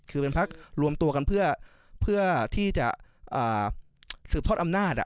คือเป็นพักรวมตัวกันเพื่อที่จะสืบทอดอำนาจ